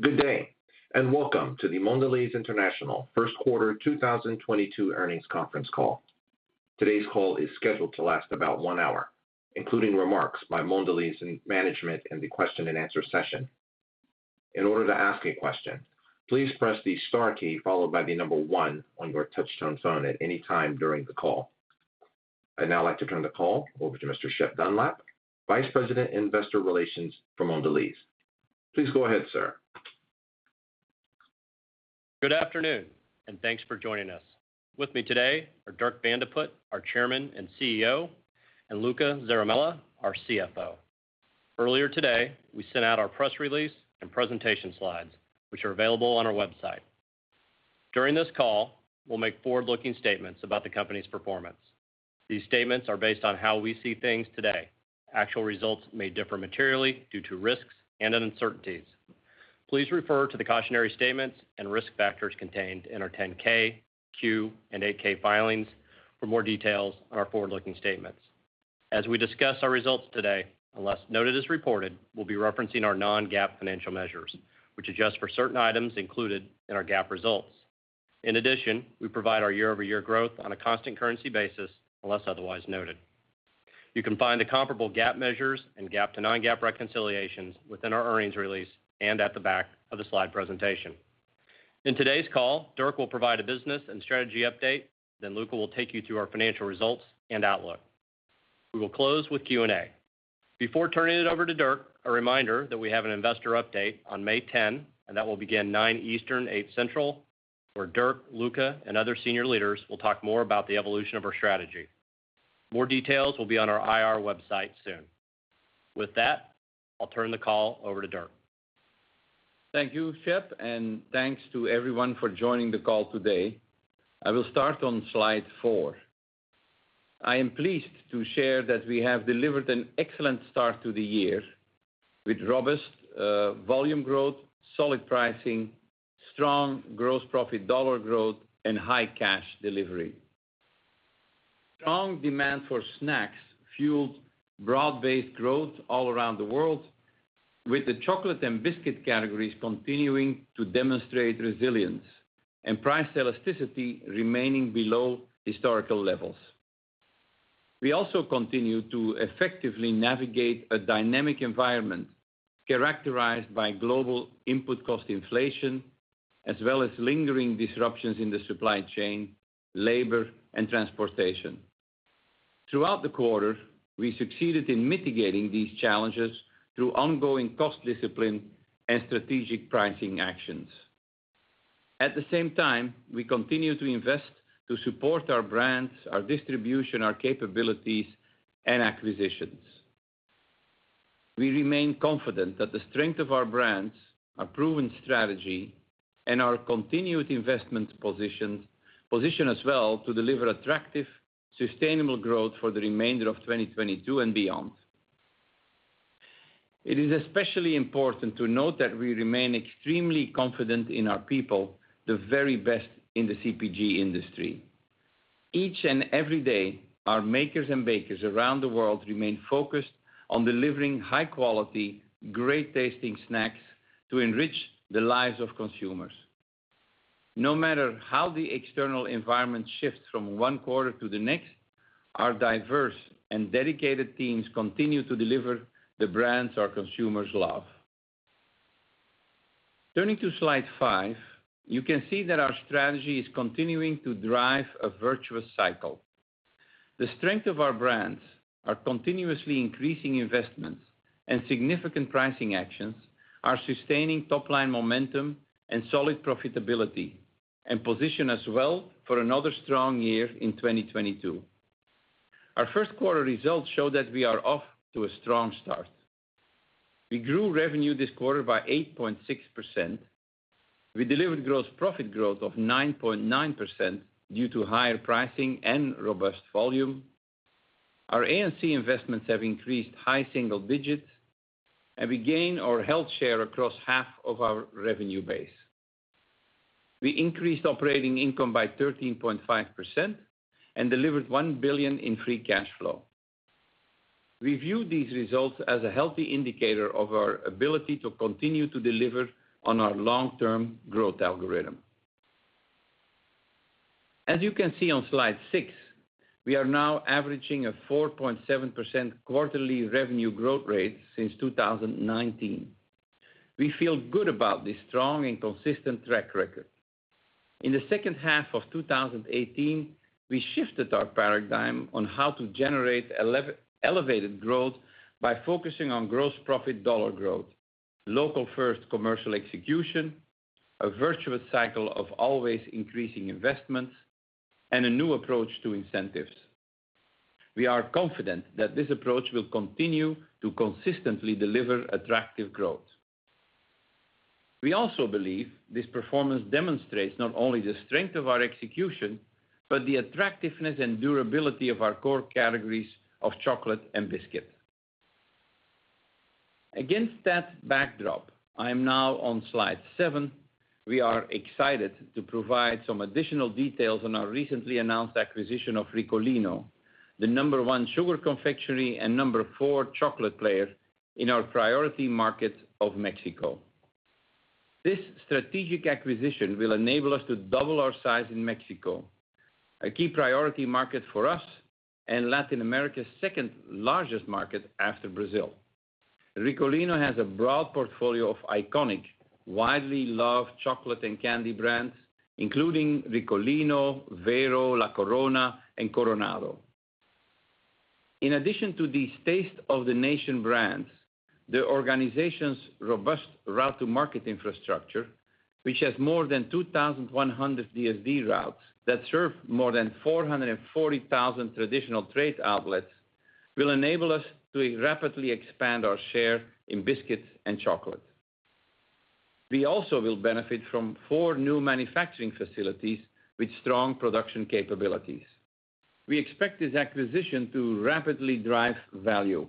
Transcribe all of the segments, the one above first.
Good day, and welcome to the Mondelēz International First Quarter 2022 Earnings Conference Call. Today's call is scheduled to last about one hour, including remarks by Mondelēz and management in the question-and-answer session. In order to ask a question, please press the star key followed by the number one on your touchtone phone at any time during the call. I'd now like to turn the call over to Mr. Shep Dunlap, Vice President, Investor Relations for Mondelēz. Please go ahead, sir. Good afternoon, and thanks for joining us. With me today are Dirk Van de Put, our Chairman and CEO, and Luca Zaramella, our CFO. Earlier today, we sent out our press release and presentation slides, which are available on our website. During this call, we'll make forward-looking statements about the company's performance. These statements are based on how we see things today. Actual results may differ materially due to risks and uncertainties. Please refer to the cautionary statements and risk factors contained in our 10-K, 10-Q, and 8-K filings for more details on our forward-looking statements. As we discuss our results today, unless noted as reported, we'll be referencing our non-GAAP financial measures, which adjust for certain items included in our GAAP results. In addition, we provide our year-over-year growth on a constant currency basis, unless otherwise noted. You can find the comparable GAAP measures and GAAP to non-GAAP reconciliations within our earnings release and at the back of the slide presentation. In today's call, Dirk will provide a business and strategy update, then Luca will take you through our financial results and outlook. We will close with Q&A. Before turning it over to Dirk, a reminder that we have an investor update on May 10, and that will begin 9:00 A.M. Eastern, 8:00 A.M. Central, where Dirk, Luca, and other Senior Leaders will talk more about the evolution of our strategy. More details will be on our IR website soon. With that, I'll turn the call over to Dirk. Thank you, Shep, and thanks to everyone for joining the call today. I will start on slide 4. I am pleased to share that we have delivered an excellent start to the year with robust volume growth, solid pricing, strong gross profit dollar growth, and high cash delivery. Strong demand for snacks fueled broad-based growth all around the world with the chocolate and biscuit categories continuing to demonstrate resilience and price elasticity remaining below historical levels. We also continue to effectively navigate a dynamic environment characterized by global input cost inflation, as well as lingering disruptions in the supply chain, labor, and transportation. Throughout the quarter, we succeeded in mitigating these challenges through ongoing cost discipline and strategic pricing actions. At the same time, we continue to invest to support our brands, our distribution, our capabilities, and acquisitions. We remain confident that the strength of our brands, our proven strategy, and our continued investment position us well to deliver attractive, sustainable growth for the remainder of 2022 and beyond. It is especially important to note that we remain extremely confident in our people, the very best in the CPG industry. Each and every day, our makers and bakers around the world remain focused on delivering high quality, great-tasting snacks to enrich the lives of consumers. No matter how the external environment shifts from one quarter to the next, our diverse and dedicated teams continue to deliver the brands our consumers love. Turning to slide five, you can see that our strategy is continuing to drive a virtuous cycle. The strength of our brands are continuously increasing investments, and significant pricing actions are sustaining top-line momentum and solid profitability and position us well for another strong year in 2022. Our first quarter results show that we are off to a strong start. We grew revenue this quarter by 8.6%. We delivered gross profit growth of 9.9% due to higher pricing and robust volume. Our A&C investments have increased high single digits, and we gained market share across half of our revenue base. We increased operating income by 13.5% and delivered $1 billion in free cash flow. We view these results as a healthy indicator of our ability to continue to deliver on our long-term growth algorithm. As you can see on slide six, we are now averaging a 4.7% quarterly revenue growth rate since 2019. We feel good about this strong and consistent track record. In the second half of 2018, we shifted our paradigm on how to generate elevated growth by focusing on gross profit dollar growth, local first commercial execution, a virtuous cycle of always increasing investments, and a new approach to incentives. We are confident that this approach will continue to consistently deliver attractive growth. We also believe this performance demonstrates not only the strength of our execution, but the attractiveness and durability of our core categories of chocolate and biscuit. Against that backdrop, I am now on slide seven. We are excited to provide some additional details on our recently announced acquisition of Ricolino, the number one sugar confectionery and number four chocolate player in our priority market of Mexico. This strategic acquisition will enable us to double our size in Mexico, a key priority market for us and Latin America's second-largest market after Brazil. Ricolino has a broad portfolio of iconic, widely loved chocolate and candy brands, including Ricolino, Vero, La Corona, and Coronado. In addition to these taste of the nation brands, the organization's robust route to market infrastructure, which has more than 2,100 DSD routes that serve more than 440,000 traditional trade outlets, will enable us to rapidly expand our share in biscuits and chocolate. We also will benefit from 4 new manufacturing facilities with strong production capabilities. We expect this acquisition to rapidly drive value.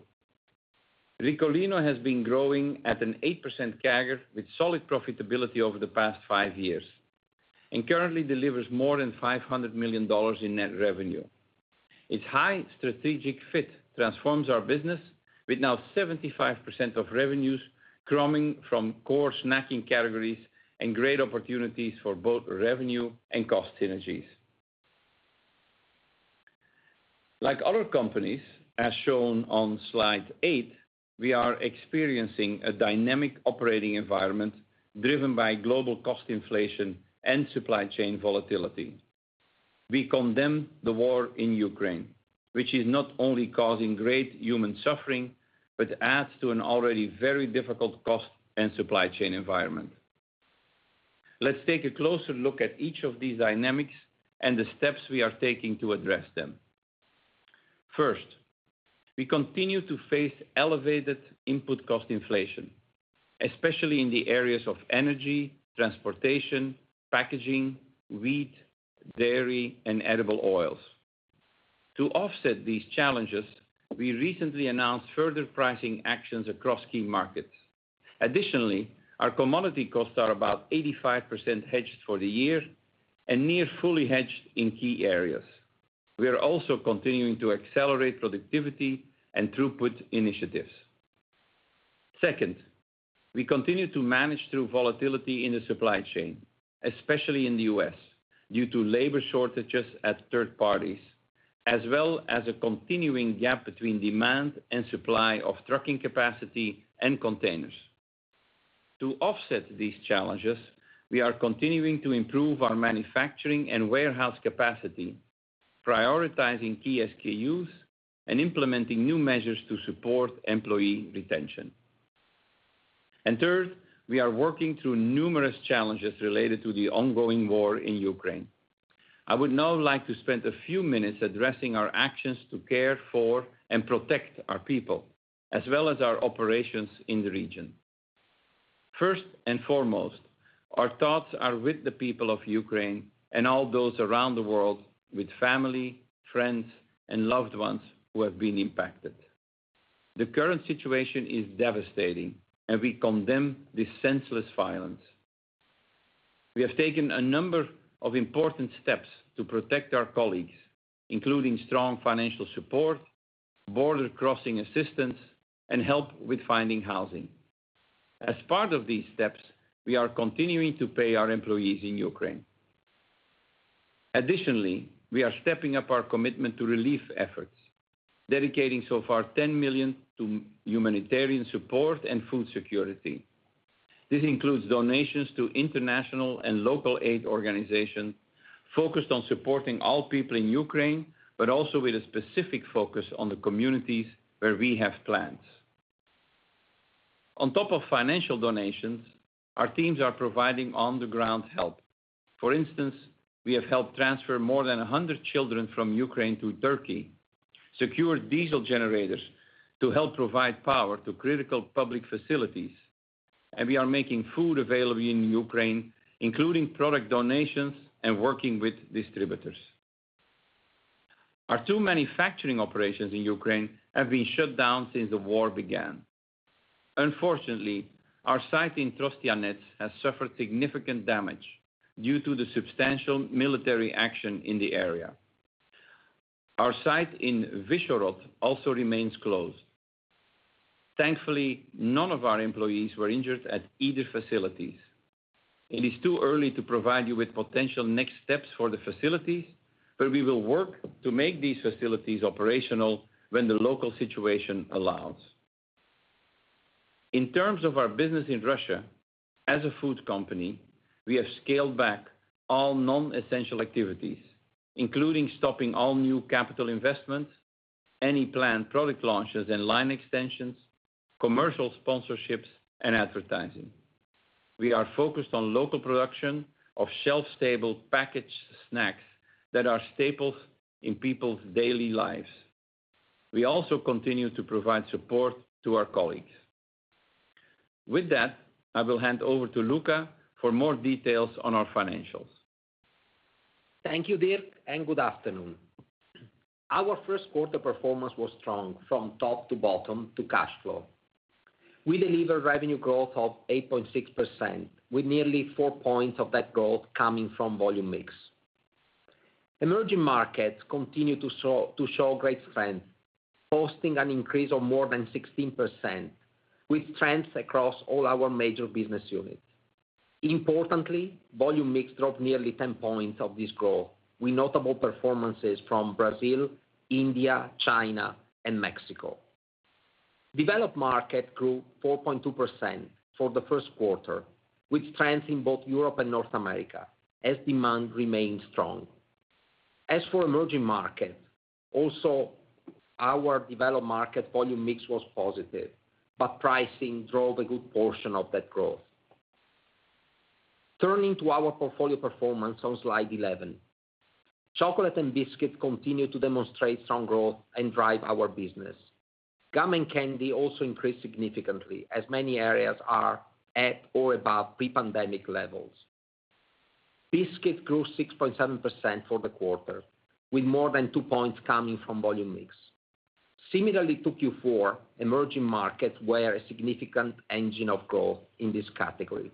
Ricolino has been growing at an 8% CAGR with solid profitability over the past 5 years, and currently delivers more than $500 million in net revenue. Its high strategic fit transforms our business with now 75% of revenues coming from core snacking categories and great opportunities for both revenue and cost synergies. Like other companies, as shown on slide 8, we are experiencing a dynamic operating environment driven by global cost inflation and supply chain volatility. We condemn the war in Ukraine, which is not only causing great human suffering, but adds to an already very difficult cost and supply chain environment. Let's take a closer look at each of these dynamics and the steps we are taking to address them. First, we continue to face elevated input cost inflation, especially in the areas of energy, transportation, packaging, wheat, dairy, and edible oils. To offset these challenges, we recently announced further pricing actions across key markets. Additionally, our commodity costs are about 85% hedged for the year and near fully hedged in key areas. We are also continuing to accelerate productivity and throughput initiatives. Second, we continue to manage through volatility in the supply chain, especially in the U.S., due to labor shortages at third parties, as well as a continuing gap between demand and supply of trucking capacity and containers. To offset these challenges, we are continuing to improve our manufacturing and warehouse capacity, prioritizing key SKUs and implementing new measures to support employee retention. Third, we are working through numerous challenges related to the ongoing war in Ukraine. I would now like to spend a few minutes addressing our actions to care for and protect our people, as well as our operations in the region. First and foremost, our thoughts are with the people of Ukraine and all those around the world with family, friends, and loved ones who have been impacted. The current situation is devastating, and we condemn this senseless violence. We have taken a number of important steps to protect our colleagues, including strong financial support, border crossing assistance, and help with finding housing. As part of these steps, we are continuing to pay our employees in Ukraine. Additionally, we are stepping up our commitment to relief efforts, dedicating so far $10 million to humanitarian support and food security. This includes donations to international and local aid organizations focused on supporting all people in Ukraine, but also with a specific focus on the communities where we have plants. On top of financial donations, our teams are providing on the ground help. For instance, we have helped transfer more than 100 children from Ukraine to Turkey, secure diesel generators to help provide power to critical public facilities, and we are making food available in Ukraine, including product donations and working with distributors. Our two manufacturing operations in Ukraine have been shut down since the war began. Unfortunately, our site in Trostianets has suffered significant damage due to the substantial military action in the area. Our site in Vyshhorod also remains closed. Thankfully, none of our employees were injured at either facilities. It is too early to provide you with potential next steps for the facilities, but we will work to make these facilities operational when the local situation allows. In terms of our business in Russia, as a food company, we have scaled back all non-essential activities, including stopping all new capital investments, any planned product launches and line extensions, commercial sponsorships, and advertising. We are focused on local production of shelf-stable packaged snacks that are staples in people's daily lives. We also continue to provide support to our colleagues. With that, I will hand over to Luca for more details on our financials. Thank you, Dirk, and good afternoon. Our first quarter performance was strong from top to bottom to cash flow. We delivered revenue growth of 8.6%, with nearly 4 points of that growth coming from volume mix. Emerging markets continue to show great strength, posting an increase of more than 16% with trends across all our major business units. Importantly, volume mix drove nearly 10 points of this growth, with notable performances from Brazil, India, China, and Mexico. Developed markets grew 4.2% for the first quarter, with trends in both Europe and North America as demand remained strong. As for emerging markets, also our developed markets volume mix was positive, but pricing drove a good portion of that growth. Turning to our portfolio performance on slide 11. Chocolate and biscuit continue to demonstrate strong growth and drive our business. Gum and candy also increased significantly as many areas are at or above pre-pandemic levels. Biscuit grew 6.7% for the quarter, with more than two points coming from volume mix. Similarly, to Q4, emerging markets were a significant engine of growth in this category.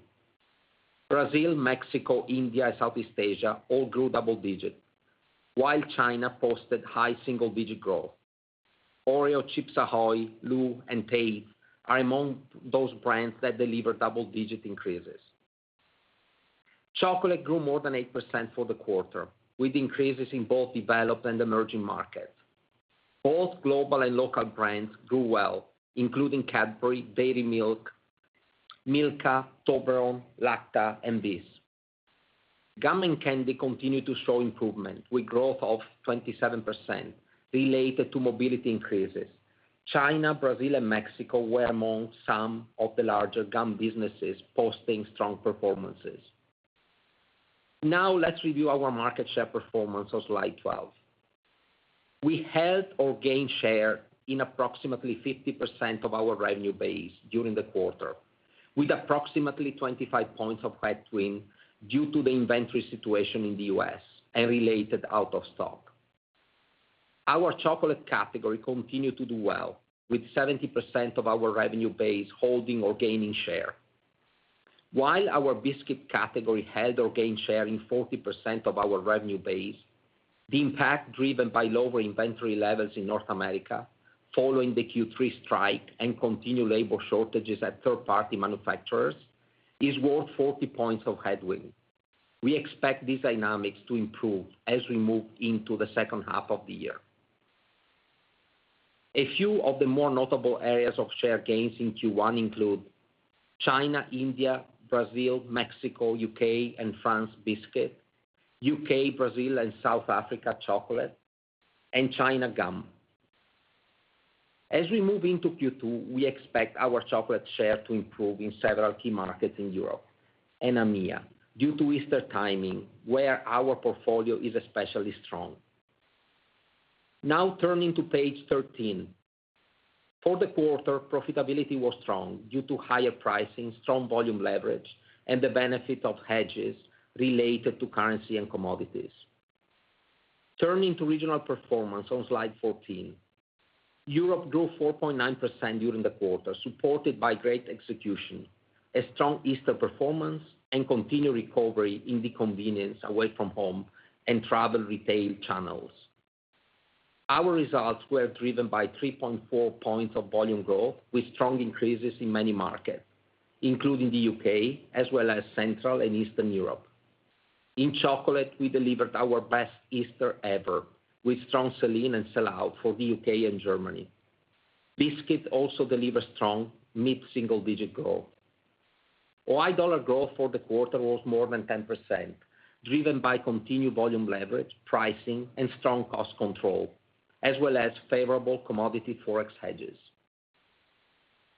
Brazil, Mexico, India, Southeast Asia all grew double digits, while China posted high single-digit growth. Oreo, Chips Ahoy!, LU and Tate's are among those brands that delivered double-digit increases. Chocolate grew more than 8% for the quarter, with increases in both developed and emerging markets. Both global and local brands grew well, including Cadbury, Dairy Milk, Milka, Toblerone, Lacta, and Bis. Gum and candy continued to show improvement, with growth of 27% related to mobility increases. China, Brazil and Mexico were among some of the larger gum businesses posting strong performances. Now let's review our market share performance on slide 12. We held or gained share in approximately 50% of our revenue base during the quarter, with approximately 25 points of headwind due to the inventory situation in the U.S. and related out of stock. Our chocolate category continued to do well, with 70% of our revenue base holding or gaining share. While our biscuit category held or gained share in 40% of our revenue base, the impact driven by lower inventory levels in North America following the Q3 strike and continued labor shortages at third party manufacturers is worth 40 points of headwind. We expect these dynamics to improve as we move into the second half of the year. A few of the more notable areas of share gains in Q1 include China, India, Brazil, Mexico, U.K. and France biscuit, U.K., Brazil and South Africa chocolate, and China gum. As we move into Q2, we expect our chocolate share to improve in several key markets in Europe and EMEA due to Easter timing, where our portfolio is especially strong. Now turning to page 13. For the quarter, profitability was strong due to higher pricing, strong volume leverage, and the benefit of hedges related to currency and commodities. Turning to regional performance on slide 14. Europe grew 4.9% during the quarter, supported by great execution, a strong Easter performance, and continued recovery in the convenience away from home and travel retail channels. Our results were driven by 3.4 points of volume growth with strong increases in many markets, including the U.K. as well as Central and Eastern Europe. In chocolate, we delivered our best Easter ever, with strong sell-in and sell-out for the U.K. and Germany. Biscuits also delivered strong mid-single digit growth. OI dollar growth for the quarter was more than 10%, driven by continued volume leverage, pricing, and strong cost control, as well as favorable commodity ForEx hedges.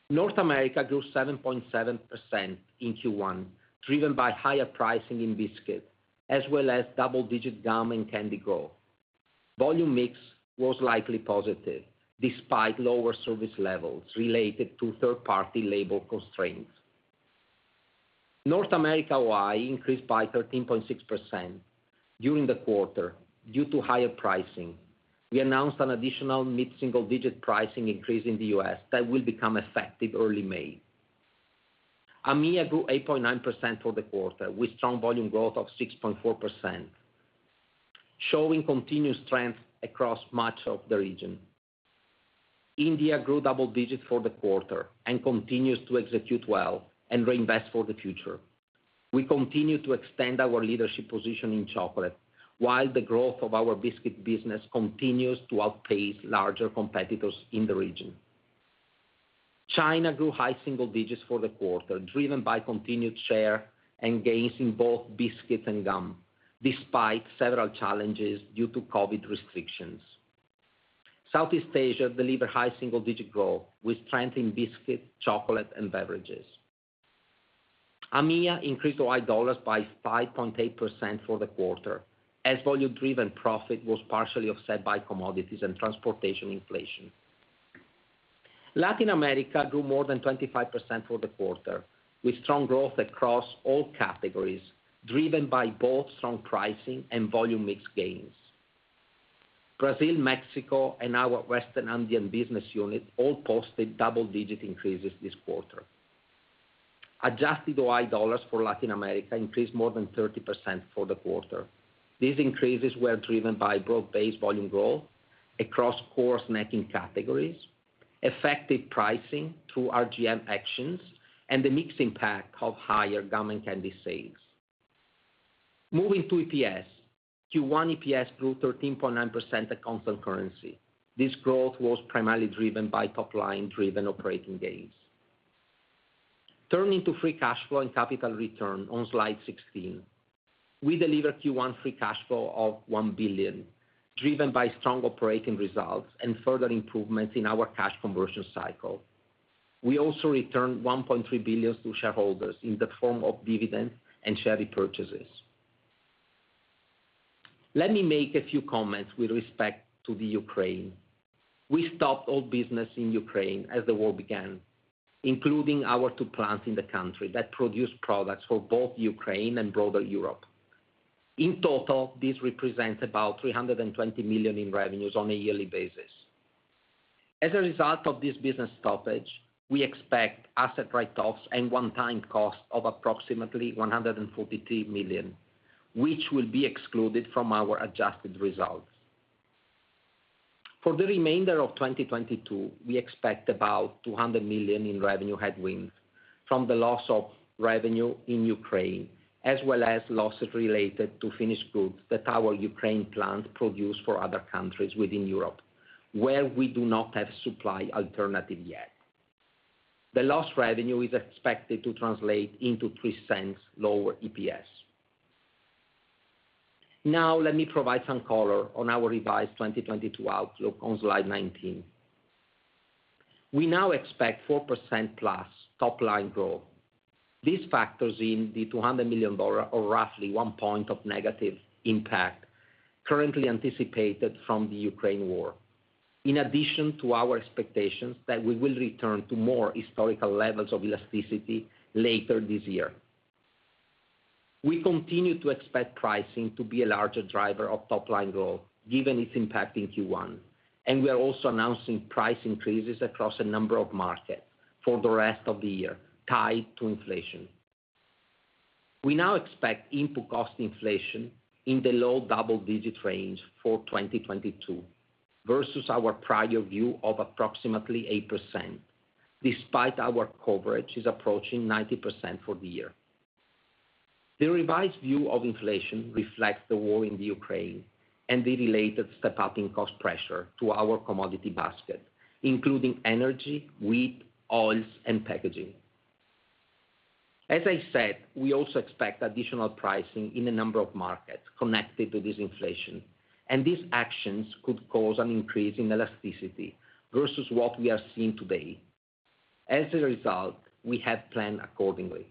North America grew 7.7% in Q1, driven by higher pricing in biscuit as well as double-digit gum and candy growth. Volume mix was likely positive despite lower service levels related to third-party labor constraints. North America OI increased by 13.6% during the quarter due to higher pricing. We announced an additional mid-single digit pricing increase in the U.S. that will become effective early May. EMEA grew 8.9% for the quarter, with strong volume growth of 6.4%, showing continued strength across much of the region. India grew double digits for the quarter and continues to execute well and reinvest for the future. We continue to extend our leadership position in chocolate while the growth of our biscuit business continues to outpace larger competitors in the region. China grew high single digits for the quarter, driven by continued share gains in both biscuits and gum despite several challenges due to COVID restrictions. Southeast Asia delivered high single-digit growth with strength in biscuit, chocolate and beverages. EMEA increased OI dollars by 5.8% for the quarter as volume-driven profit was partially offset by commodities and transportation inflation. Latin America grew more than 25% for the quarter, with strong growth across all categories, driven by both strong pricing and volume mix gains. Brazil, Mexico, and our Western Andean business unit all posted double-digit increases this quarter. Adjusted OI dollars for Latin America increased more than 30% for the quarter. These increases were driven by broad-based volume growth across core snacking categories, effective pricing through RGM actions, and the mix impact of higher gum and candy sales. Moving to EPS. Q1 EPS grew 13.9% at constant currency. This growth was primarily driven by top-line driven operating gains. Turning to free cash flow and capital return on slide 16. We delivered Q1 free cash flow of $1 billion, driven by strong operating results and further improvements in our cash conversion cycle. We also returned $1.3 billion to shareholders in the form of dividends and share repurchases. Let me make a few comments with respect to Ukraine. We stopped all business in Ukraine as the war began, including our 2 plants in the country that produce products for both Ukraine and broader Europe. In total, this represents about $320 million in revenues on a yearly basis. As a result of this business stoppage, we expect asset write-offs and one-time cost of approximately $143 million, which will be excluded from our adjusted results. For the remainder of 2022, we expect about $200 million in revenue headwinds from the loss of revenue in Ukraine, as well as losses related to finished goods that our Ukraine plant produced for other countries within Europe, where we do not have supply alternative yet. The lost revenue is expected to translate into $0.03 lower EPS. Now let me provide some color on our revised 2022 outlook on slide 19. We now expect 4%+ top line growth. This factors in the $200 million or roughly 1 point of negative impact currently anticipated from the Ukraine war, in addition to our expectations that we will return to more historical levels of elasticity later this year. We continue to expect pricing to be a larger driver of top line growth given its impact in Q1, and we are also announcing price increases across a number of markets for the rest of the year tied to inflation. We now expect input cost inflation in the low double-digit range for 2022 versus our prior view of approximately 8%, despite our coverage is approaching 90% for the year. The revised view of inflation reflects the war in Ukraine and the related step-up in cost pressure to our commodity basket, including energy, wheat, oils, and packaging. As I said, we also expect additional pricing in a number of markets connected to this inflation, and these actions could cause an increase in elasticity versus what we are seeing today. As a result, we have planned accordingly.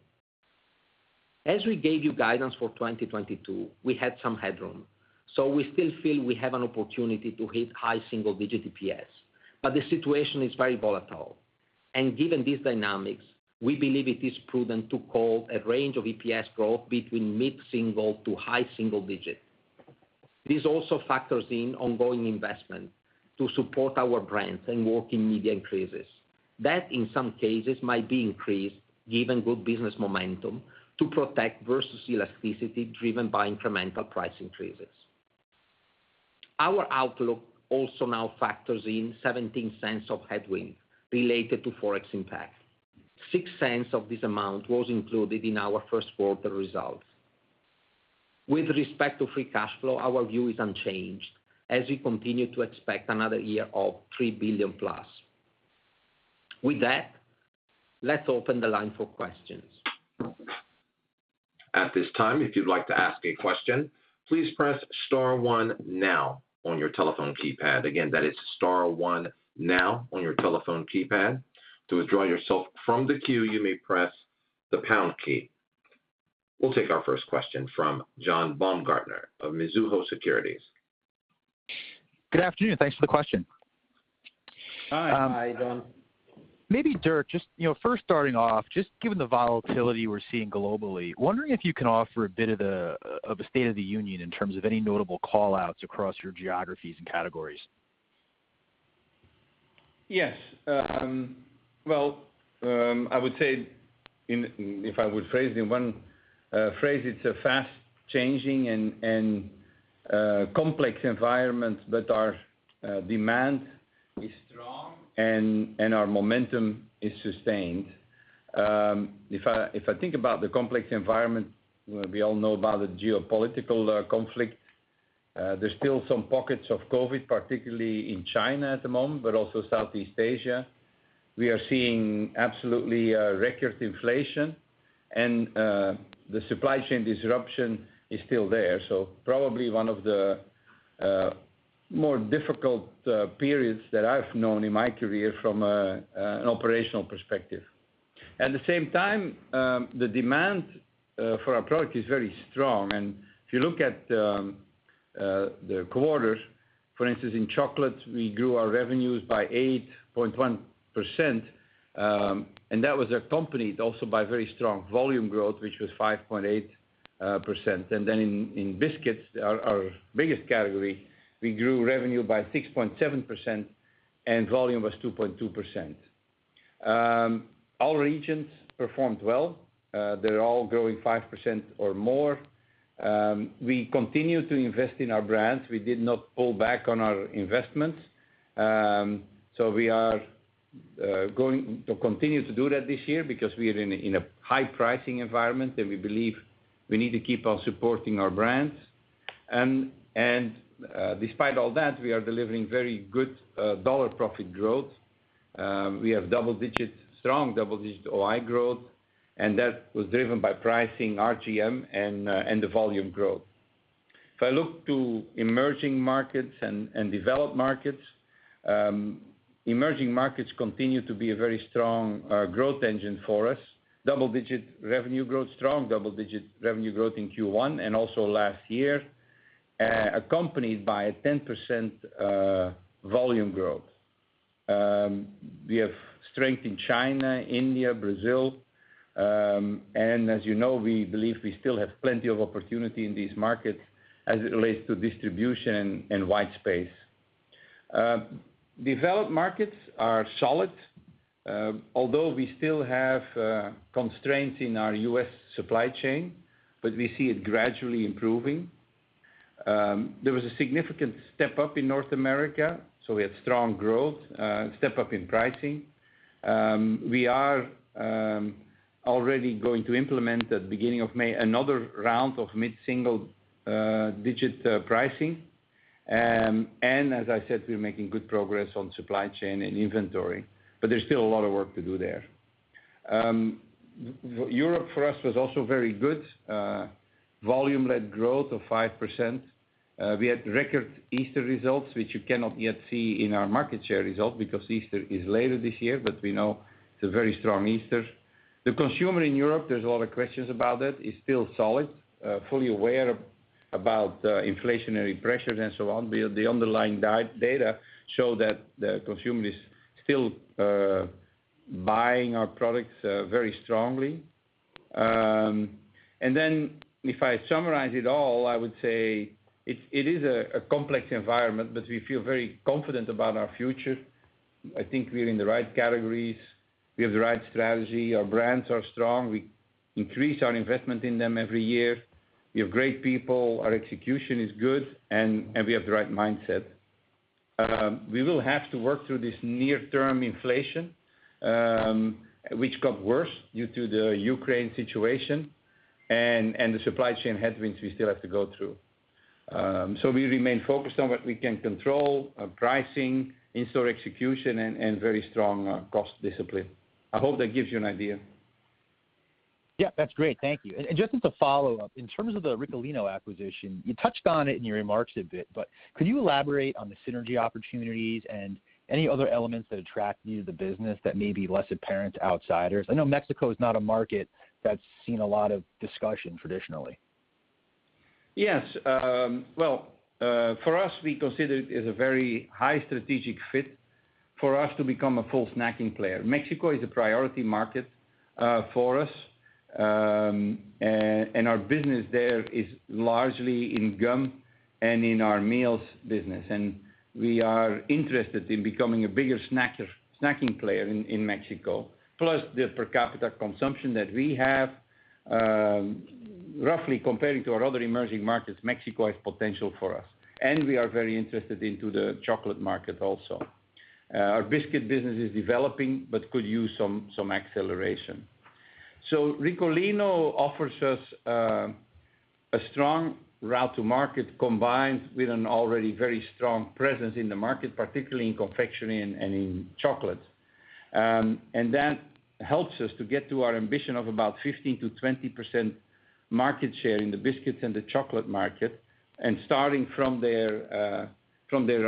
As we gave you guidance for 2022, we had some headroom, so we still feel we have an opportunity to hit high single-digit EPS. The situation is very volatile, and given these dynamics, we believe it is prudent to call a range of EPS growth between mid-single-digit to high single-digit. This also factors in ongoing investment to support our brands and working media increases. That, in some cases, might be increased given good business momentum to protect versus elasticity driven by incremental price increases. Our outlook also now factors in $0.17 of headwind related to Forex impact. $0.06 of this amount was included in our first quarter results. With respect to free cash flow, our view is unchanged as we continue to expect another year of $3 billion+. With that, let's open the line for questions. We'll take our first question from John Baumgartner of Mizuho Securities. Good afternoon. Thanks for the question. Hi. Maybe Dirk, just first starting off, just given the volatility we're seeing globally, wondering if you can offer a bit of the state of the union in terms of any notable call-outs across your geographies and categories? Yes. I would say if I would phrase in one phrase, it's a fast changing complex environment, but our demand is strong and our momentum is sustained. If I think about the complex environment, we all know about the geopolitical conflict. There's still some pockets of COVID, particularly in China at the moment, but also Southeast Asia. We are seeing absolutely record inflation and the supply chain disruption is still there. Probably one of the more difficult periods that I've known in my career from an operational perspective. At the same time, the demand for our product is very strong. If you look at the quarters, for instance, in chocolate, we grew our revenues by 8.1%, and that was accompanied also by very strong volume growth, which was 5.8%. In biscuits, our biggest category, we grew revenue by 6.7% and volume was 2.2%. All regions performed well. They're all growing 5% or more. We continue to invest in our brands. We did not pull back on our investments. We are going to continue to do that this year because we are in a high pricing environment and we believe we need to keep on supporting our brands. Despite all that, we are delivering very good dollar profit growth. We have double digits, strong double-digit OI growth, and that was driven by pricing, RGM and the volume growth. If I look to emerging markets and developed markets, emerging markets continue to be a very strong growth engine for us. Double-digit revenue growth, strong double-digit revenue growth in Q1 and also last year, accompanied by a 10% volume growth. We have strength in China, India, Brazil. As you know, we believe we still have plenty of opportunity in these markets as it relates to distribution and white space. Developed markets are solid, although we still have constraints in our U.S. supply chain, but we see it gradually improving. There was a significant step up in North America, so we had strong growth, step up in pricing. We are already going to implement at the beginning of May, another round of mid-single-digit pricing. As I said, we're making good progress on supply chain and inventory, but there's still a lot of work to do there. Europe for us was also very good. volume-led growth of 5%. We had record Easter results, which you cannot yet see in our market share results because Easter is later this year, but we know it's a very strong Easter. The consumer in Europe, there's a lot of questions about that, is still solid, fully aware about, inflationary pressures and so on. The underlying data show that the consumer is still buying our products very strongly. If I summarize it all, I would say it is a complex environment, but we feel very confident about our future. I think we're in the right categories. We have the right strategy. Our brands are strong. We increase our investment in them every year. We have great people, our execution is good and we have the right mindset. We will have to work through this near-term inflation, which got worse due to the Ukraine situation and the supply chain headwinds we still have to go through. We remain focused on what we can control, our pricing, in-store execution and very strong cost discipline. I hope that gives you an idea. Yeah, that's great. Thank you. Just as a follow-up, in terms of the Ricolino acquisition, you touched on it in your remarks a bit, but could you elaborate on the synergy opportunities and any other elements that attract you to the business that may be less apparent to outsiders? I know Mexico is not a market that's seen a lot of discussion traditionally. Yes. Well, for us, we consider it as a very high strategic fit for us to become a full snacking player. Mexico is a priority market for us, and our business there is largely in gum and in our meals business. We are interested in becoming a bigger snacking player in Mexico. Plus the per capita consumption that we have, roughly comparing to our other emerging markets, Mexico has potential for us, and we are very interested in the chocolate market also. Our biscuit business is developing but could use some acceleration. Ricolino offers us a strong route to market combined with an already very strong presence in the market, particularly in confectionery and in chocolate. That helps us to get to our ambition of about 15%-20% market share in the biscuits and the chocolate market, starting from their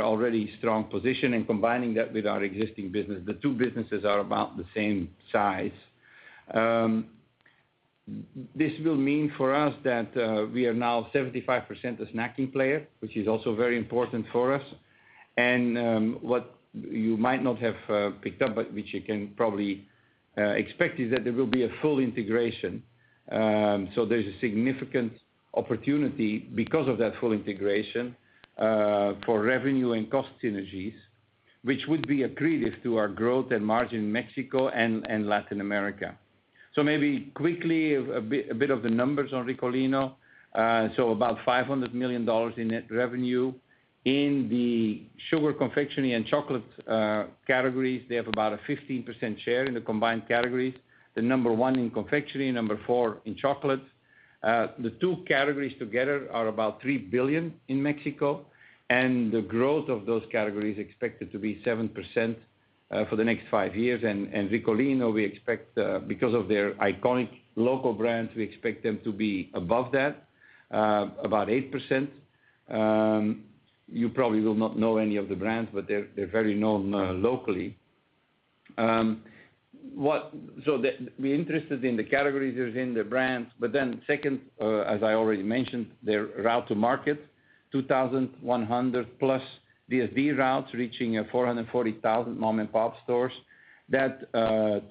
already strong position and combining that with our existing business. The two businesses are about the same size. This will mean for us that we are now 75% a snacking player, which is also very important for us. What you might not have picked up, but which you can probably expect, is that there will be a full integration. There's a significant opportunity because of that full integration for revenue and cost synergies, which would be accretive to our growth and margin in Mexico and Latin America. Maybe quickly a bit of the numbers on Ricolino. About $500 million in net revenue. In the sugar, confectionery and chocolate categories, they have about a 15% share in the combined categories. Number one in confectionery, number four in chocolate. The two categories together are about $3 billion in Mexico, and the growth of those categories is expected to be 7% for the next five years. Ricolino, we expect, because of their iconic local brands, we expect them to be above that, about 8%. You probably will not know any of the brands, but they're very known locally. We're interested in the categories, yes, in the brands. Second, as I already mentioned, their route to market 2,100+ DSD routes reaching 440,000 mom and pop stores. That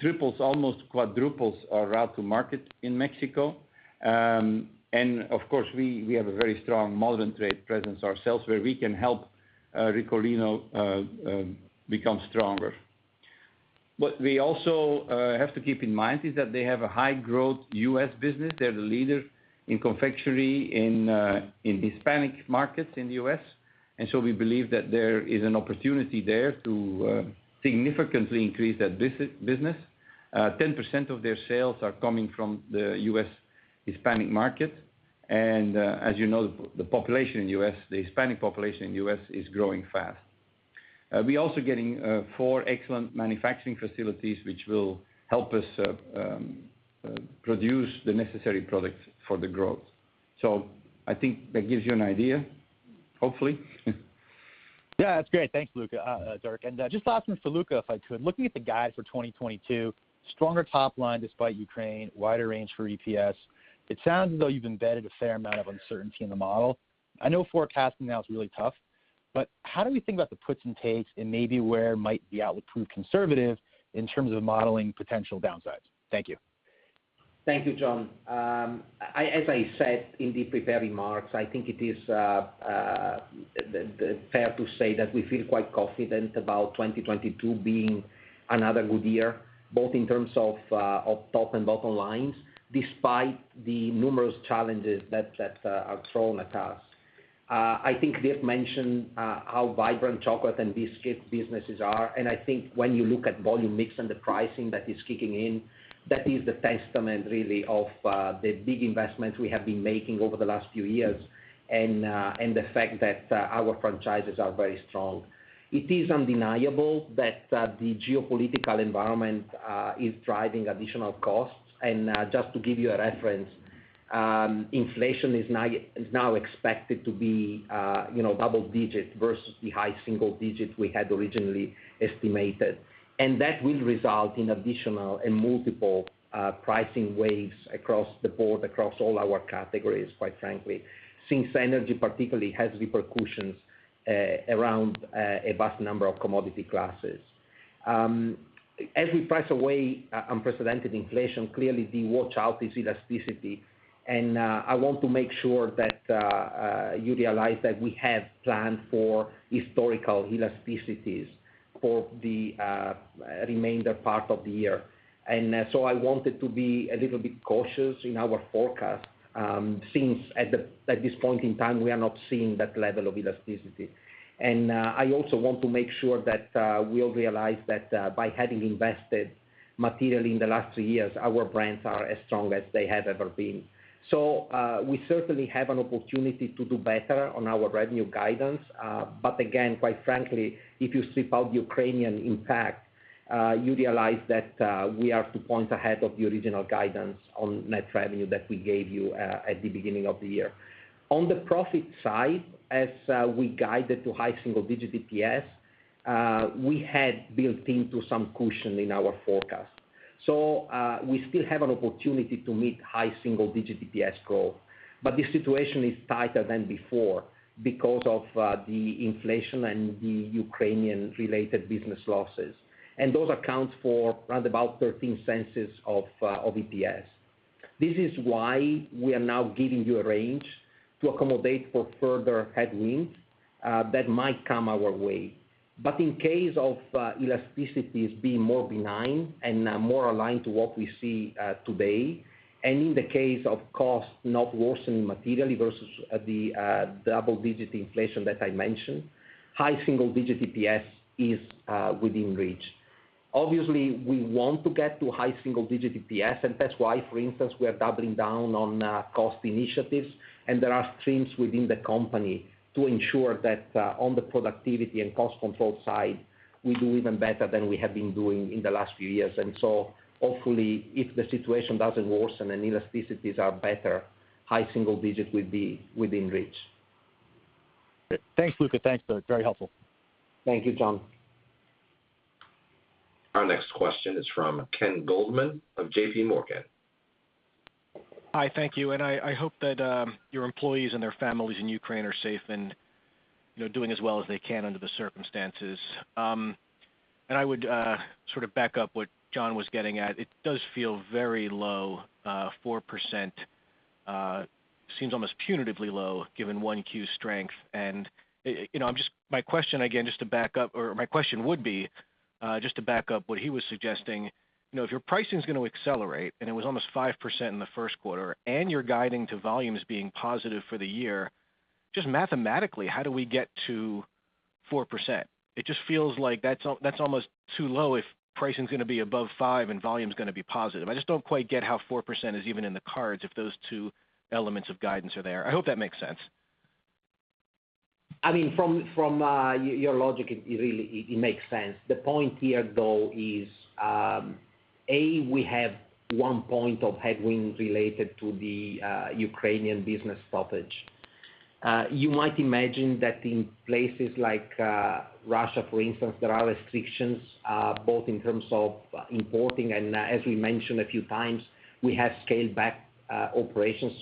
triples, almost quadruples our route to market in Mexico. Of course, we have a very strong modern trade presence ourselves, where we can help Ricolino become stronger. What we also have to keep in mind is that they have a high growth U.S. business. They're the leader in confectionery in Hispanic markets in the U.S. We believe that there is an opportunity there to significantly increase that business. 10% of their sales are coming from the U.S. Hispanic market. As you know, the population in the U.S., the Hispanic population in the U.S. is growing fast. We're also getting four excellent manufacturing facilities, which will help us produce the necessary products for the growth. I think that gives you an idea, hopefully. That's great. Thanks, Luca, Dirk. Just last one for Luca, if I could. Looking at the guide for 2022, stronger top line despite Ukraine, wider range for EPS. It sounds as though you've embedded a fair amount of uncertainty in the model. I know forecasting now is really tough, but how do we think about the puts and takes and maybe where might the outlook prove conservative in terms of modeling potential downsides? Thank you. Thank you, John. As I said in the prepared remarks, I think it is fair to say that we feel quite confident about 2022 being another good year, both in terms of top and bottom lines, despite the numerous challenges that are thrown at us. I think Dirk mentioned how vibrant chocolate and biscuit businesses are. I think when you look at volume mix and the pricing that is kicking in, that is the testament really of the big investments we have been making over the last few years, and the fact that our franchises are very strong. It is undeniable that the geopolitical environment is driving additional costs. Just to give you a reference, inflation is now expected to be, you know, double digit versus the high single digit we had originally estimated. That will result in additional and multiple pricing waves across the board, across all our categories, quite frankly, since energy particularly has repercussions around a vast number of commodity classes. As we price away unprecedented inflation, clearly the watch-out is elasticity. I want to make sure that you realize that we have planned for historical elasticities for the remainder part of the year. I wanted to be a little bit cautious in our forecast, since at this point in time, we are not seeing that level of elasticity. I also want to make sure that we all realize that by having invested materially in the last two years, our brands are as strong as they have ever been. We certainly have an opportunity to do better on our revenue guidance. Again, quite frankly, if you strip out the Ukrainian impact, you realize that we are 2 points ahead of the original guidance on net revenue that we gave you at the beginning of the year. On the profit side, as we guided to high single digit EPS, we had built into some cushion in our forecast. We still have an opportunity to meet high single digit EPS goal. The situation is tighter than before because of the inflation and the Ukrainian related business losses. Those account for around about $0.13 of EPS. This is why we are now giving you a range to accommodate for further headwinds that might come our way. In case of elasticities being more benign and more aligned to what we see today, and in the case of costs not worsening materially versus the double-digit inflation that I mentioned, high single-digit EPS is within reach. Obviously, we want to get to high single-digit EPS, and that's why, for instance, we are doubling down on cost initiatives. There are streams within the company to ensure that on the productivity and cost control side, we do even better than we have been doing in the last few years. Hopefully, if the situation doesn't worsen and elasticities are better, high single digit will be within reach. Great. Thanks, Luca. Thanks, Dirk. Very helpful. Thank you, John. Our next question is from Ken Goldman of JPMorgan. Hi, thank you. I hope that your employees and their families in Ukraine are safe and, you know, doing as well as they can under the circumstances. I would sort of back up what John was getting at. It does feel very low. 4% seems almost punitively low given Q1 10-Q's strength. You know, I'm just my question again would be just to back up what he was suggesting. You know, if your pricing is gonna accelerate, and it was almost 5% in the first quarter, and you're guiding to volumes being positive for the year, just mathematically, how do we get to 4%? It just feels like that's almost too low if pricing's gonna be above 5 and volume's gonna be positive. I just don't quite get how 4% is even in the cards if those two elements of guidance are there. I hope that makes sense. From your logic, it really makes sense. The point here though is we have one point of headwind related to the Ukrainian business stoppage. You might imagine that in places like Russia, for instance, there are restrictions both in terms of importing, and as we mentioned a few times, we have scaled back operations.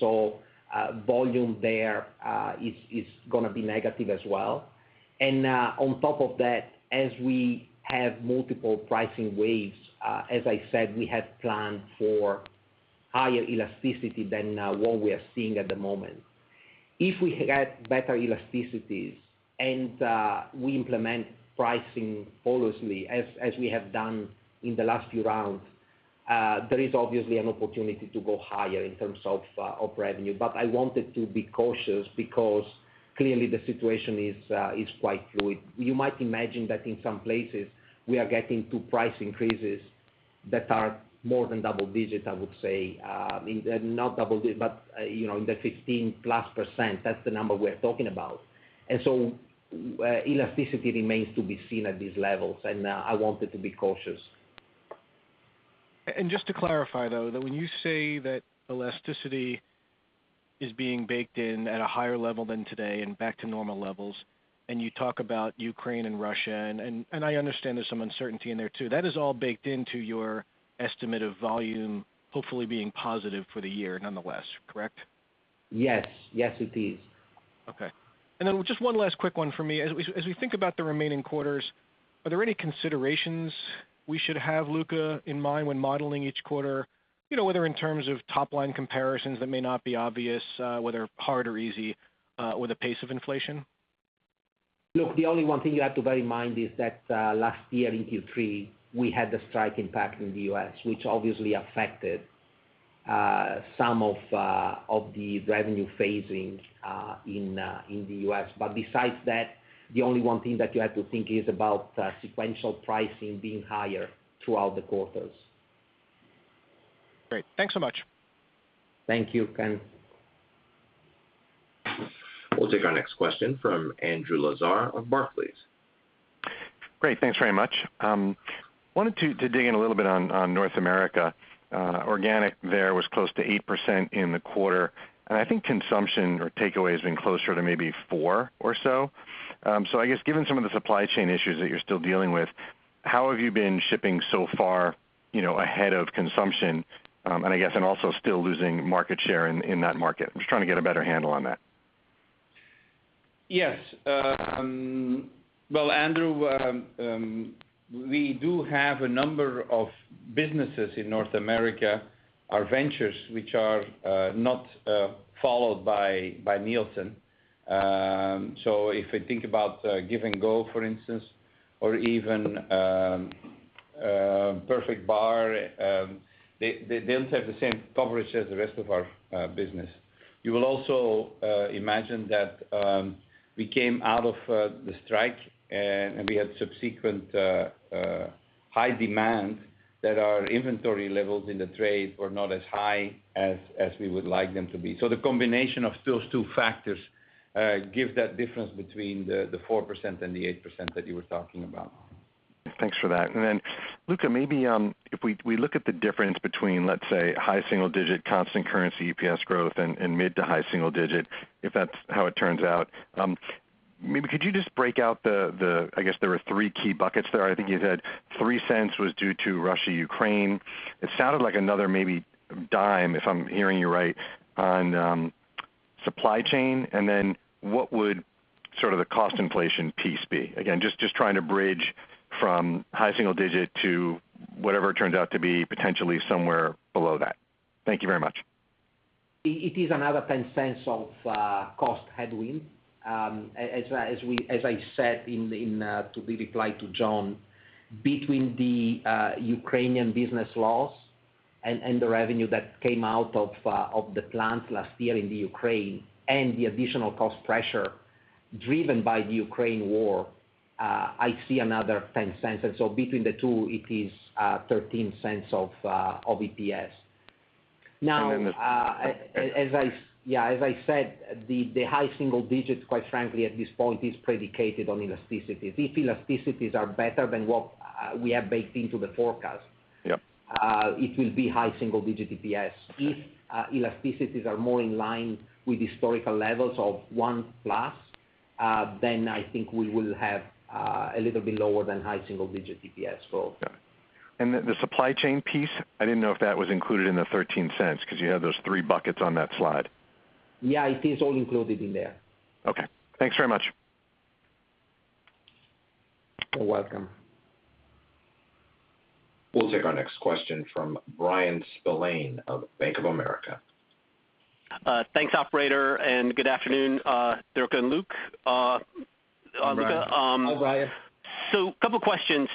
Volume there is gonna be negative as well. On top of that, as we have multiple pricing waves, as I said, we have planned for higher elasticity than what we are seeing at the moment. If we had better elasticities and we implement pricing cautiously, as we have done in the last few rounds, there is obviously an opportunity to go higher in terms of revenue. I wanted to be cautious because clearly the situation is quite fluid. You might imagine that in some places we are getting to price increases that are more than double digits, I would say not double digits, but you know, in the 15%+, that's the number we're talking about. Elasticity remains to be seen at these levels, and I wanted to be cautious. Just to clarify, though, that when you say that elasticity is being baked in at a higher level than today and back to normal levels, and you talk about Ukraine and Russia, and I understand there's some uncertainty in there too, that is all baked into your estimate of volume, hopefully being positive for the year nonetheless, correct? Yes, it is. Okay. Just one last quick one for me. As we think about the remaining quarters, are there any considerations we should have, Luca, in mind when modeling each quarter? You know, whether in terms of top-line comparisons that may not be obvious, whether hard or easy, or the pace of inflation. Look, the only one thing you have to bear in mind is that, last year in Q3, we had the strike impact in the U.S., which obviously affected some of the revenue phasing in the U.S. Besides that, the only one thing that you have to think is about sequential pricing being higher throughout the quarters. Great. Thanks so much. Thank you, Ken. We'll take our next question from Andrew Lazar of Barclays. Great. Thanks very much. I wanted to dig in a little bit on North America. Organic there was close to 8% in the quarter, and I think consumption or takeaway has been closer to maybe 4% or so. I guess given some of the supply chain issues that you're still dealing with, how have you been shipping so far, you know, ahead of consumption, and I guess, and also still losing market share in that market? I'm just trying to get a better handle on that. Yes. Well, Andrew, we do have a number of businesses in North America or ventures which are not followed by Nielsen. If we think about Give & Go, for instance, or even Perfect Bar, they don't have the same coverage as the rest of our business. You will also imagine that we came out of the strike and we had subsequent high demand that our inventory levels in the trade were not as high as we would like them to be. The combination of those two factors give that difference between the 4% and the 8% that you were talking about. Thanks for that. Then Luca, maybe, if we look at the difference between, let's say, high single digit constant currency EPS growth and mid to high single digit, if that's how it turns out, maybe could you just break out the, I guess there were three key buckets there. I think you said $0.03 was due to Russia, Ukraine. It sounded like another maybe $0.10, if I'm hearing you right, on supply chain, and then what would sort of the cost inflation piece be? Again, just trying to bridge from high single digit to whatever it turns out to be potentially somewhere below that. Thank you very much. It is another $0.10 of cost headwind. As I said in my reply to John, between the Ukrainian business loss and the revenue that came out of the plants last year in Ukraine and the additional cost pressure driven by the Ukraine war, I see another $0.10. Between the two, it is $0.13 of EPS. As I said, the high single digits percentage, quite frankly at this point, is predicated on elasticity. If elasticities are better than what we have baked into the forecast it will be high single-digit EPS. If elasticities are more in line with historical levels of 1+, then I think we will have a little bit lower than high single-digit EPS growth. Got it. The supply chain piece, I didn't know if that was included in the $0.13 'cause you had those three buckets on that slide. It is all included in there. Okay. Thanks very much. You're welcome. We'll take our next question from Bryan Spillane of Bank of America. Thanks, operator, and good afternoon, Dirk and Luca. Hi, Bryan. Luca. Hi, Bryan. Couple questions,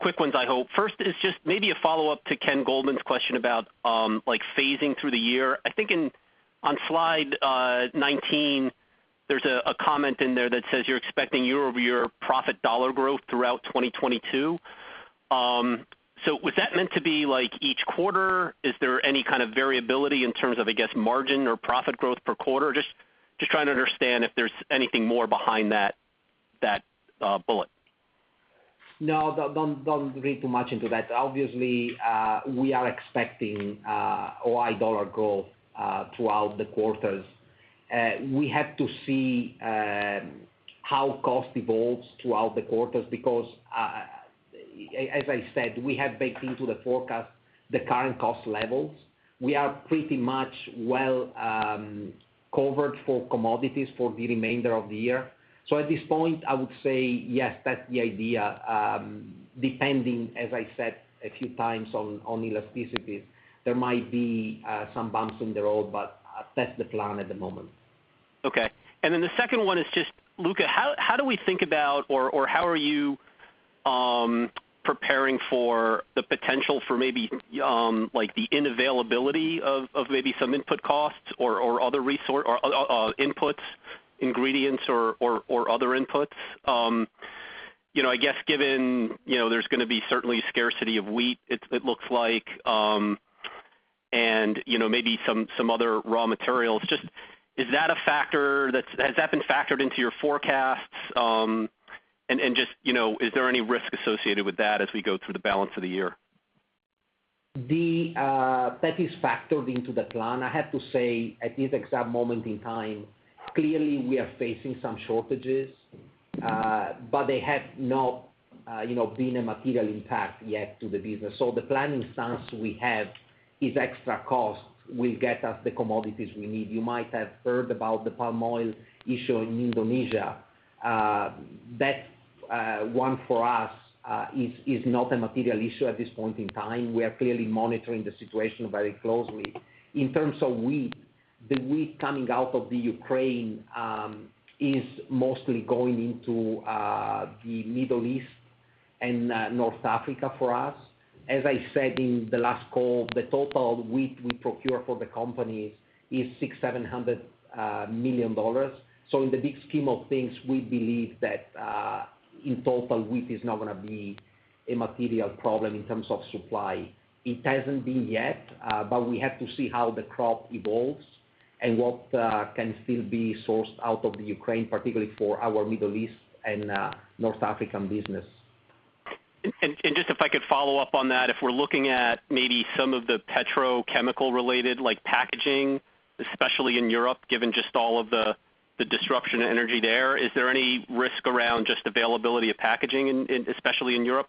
quick ones, I hope. First is just maybe a follow-up to Ken Goldman's question about, like, phasing through the year. I think in, on slide 19, there's a comment in there that says you're expecting year-over-year profit dollar growth throughout 2022. Was that meant to be like each quarter? Is there any kind of variability in terms of, I guess, margin or profit growth per quarter? Just trying to understand if there's anything more behind that bullet. No. Don't read too much into that. Obviously, we are expecting a high dollar growth throughout the quarters. We have to see how cost evolves throughout the quarters because As I said, we have baked into the forecast the current cost levels. We are pretty much covered for commodities for the remainder of the year. At this point, I would say yes, that's the idea. Depending, as I said a few times, on elasticities, there might be some bumps in the road, but that's the plan at the moment. The second one is just, Luca, how do we think about or how are you preparing for the potential for maybe like the unavailability of maybe some input costs or other inputs, ingredients or other inputs? Given you know there's gonna be certainly scarcity of wheat, it looks like, and you know maybe some other raw materials. Is that a factor that has been factored into your forecasts? Just you know is there any risk associated with that as we go through the balance of the year? That is factored into the plan. I have to say at this exact moment in time, clearly we are facing some shortages, but they have not, you know, been a material impact yet to the business. The planning sense we have is extra cost will get us the commodities we need. You might have heard about the palm oil issue in Indonesia. That one for us is not a material issue at this point in time. We are clearly monitoring the situation very closely. In terms of wheat, the wheat coming out of Ukraine is mostly going into the Middle East and North Africa for us. As I said in the last call, the total wheat we procure for the company is $600 million to $700 million. In the big scheme of things, we believe that, in total, wheat is not gonna be a material problem in terms of supply. It hasn't been yet, but we have to see how the crop evolves and what can still be sourced out of the Ukraine, particularly for our Middle East and North African business. Just if I could follow up on that, if we're looking at maybe some of the petrochemical related, like packaging, especially in Europe, given just all of the energy disruption there, is there any risk around just availability of packaging in especially in Europe?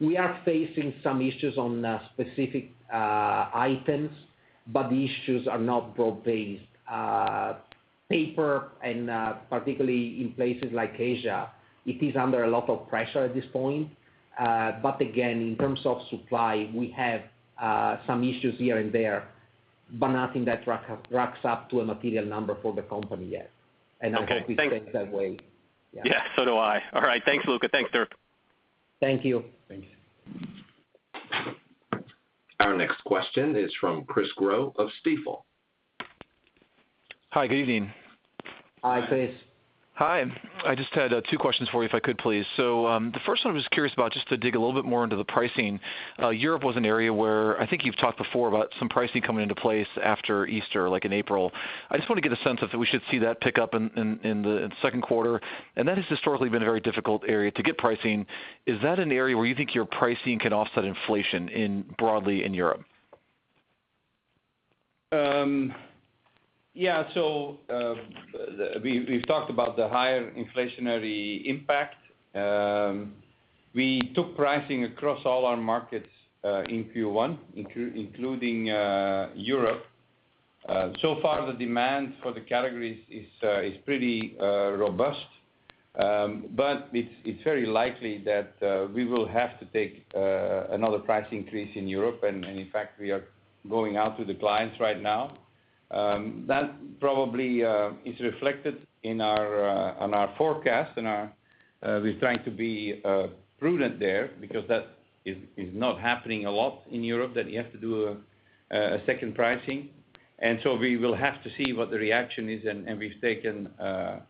We are facing some issues on specific items, but the issues are not broad-based. Paper and particularly in places like Asia, it is under a lot of pressure at this point. Again, in terms of supply, we have some issues here and there, but nothing that racks up to a material number for the company yet. Okay. I hope we stay that way. So do I. All right. Thanks, Luca. Thanks, Dirk. Thank you. Our next question is from Chris Growe of Stifel. Hi. Good evening. Hi, Chris. Hi. I just had two questions for you if I could, please. The first one I was curious about, just to dig a little bit more into the pricing. Europe was an area where I think you've talked before about some pricing coming into place after Easter, like in April. I just wanna get a sense if we should see that pick up in the second quarter, and that has historically been a very difficult area to get pricing. Is that an area where you think your pricing can offset inflation in broadly in Europe? We've talked about the higher inflationary impact. We took pricing across all our markets in Q1, including Europe. So far the demand for the categories is pretty robust. It's very likely that we will have to take another price increase in Europe. In fact, we are going out to the clients right now. That probably is reflected in our forecast and we're trying to be prudent there because that is not happening a lot in Europe, that you have to do a second pricing. We will have to see what the reaction is, and we've taken a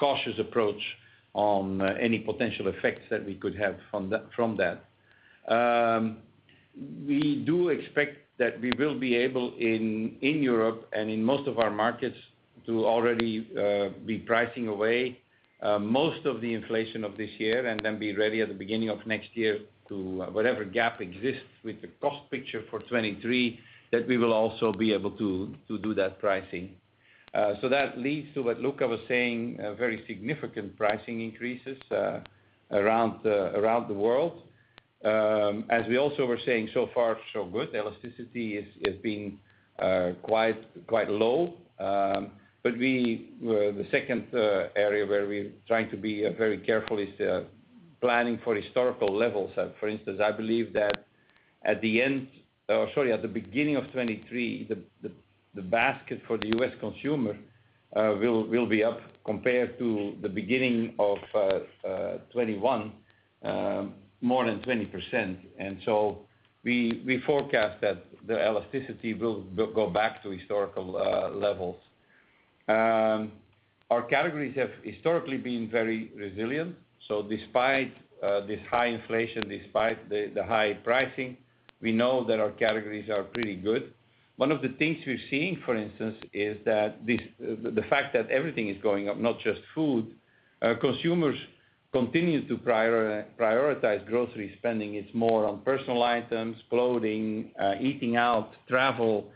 cautious approach on any potential effects that we could have from that. We do expect that we will be able in Europe and in most of our markets to already be pricing away most of the inflation of this year and then be ready at the beginning of next year to whatever gap exists with the cost picture for 2023, that we will also be able to do that pricing. That leads to what Luca was saying, a very significant pricing increases around the world. As we also were saying so far, so good. Elasticity is being quite low. But the second area where we trying to be very careful is planning for historical levels. For instance, I believe that at the beginning of 2023, the basket for the U.S. consumer will be up compared to the beginning of 2021 more than 20%. We forecast that the elasticity will go back to historical levels. Our categories have historically been very resilient. Despite this high inflation, despite the high pricing, we know that our categories are pretty good. One of the things we're seeing, for instance, is that the fact that everything is going up, not just food, consumers continue to prioritize grocery spending. It's more on personal items, clothing, eating out, travel.